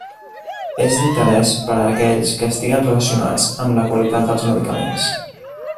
És d'interès per a aquells que estiguen relacionats amb la qualitat dels medicaments.